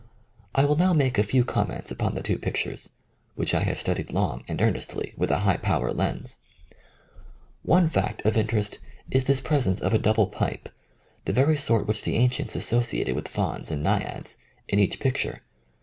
I will now make a few comments upon the two pictures, which I have studied long and earnestly with a high power lens. One fact of interest is this presence of a double pipe — the very sort which the an cients associated with fauns and naiads — in each picture.